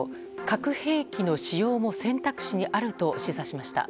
核兵器の使用も選択肢にあると示唆しました。